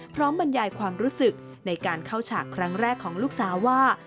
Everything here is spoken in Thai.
บรรยายความรู้สึกในการเข้าฉากครั้งแรกของลูกสาวว่า